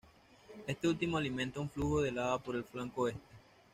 Este último alimenta un flujo de lava por el flanco oeste.